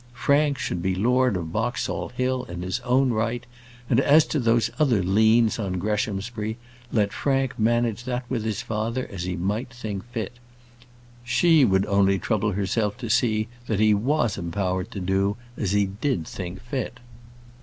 Frank should be lord of Boxall Hill in his own right; and as to those other liens on Greshamsbury, let Frank manage that with his father as he might think fit. She would only trouble herself to see that he was empowered to do as he did think fit.